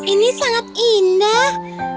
ini sangat indah